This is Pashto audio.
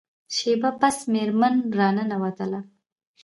شیبه پس میرمن را ننوتله.